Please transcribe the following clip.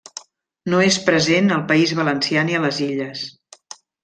No és present al País Valencià ni a les Illes.